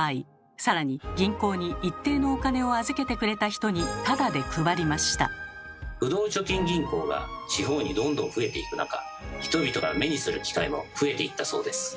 更に銀行に一定のお金を預けてくれた人に不動貯金銀行が地方にどんどん増えていく中人々が目にする機会も増えていったそうです。